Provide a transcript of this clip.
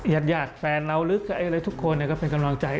หยาดแฟนเราลึกอะไรทุกคนเนี่ยก็เป็นกำลังใจ